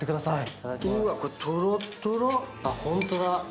あっホントだ！